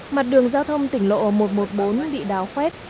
mặt đường giao thông tỉnh lộ một trăm một mươi bốn bị đào khoét